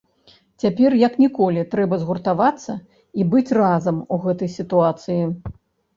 Цяпер як ніколі трэба згуртавацца і быць разам у гэтай сітуацыі.